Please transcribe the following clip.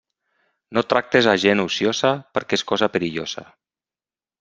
No tractes a gent ociosa, perquè és cosa perillosa.